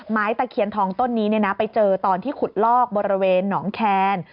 ตะเคียนทองต้นนี้ไปเจอตอนที่ขุดลอกบริเวณหนองแคน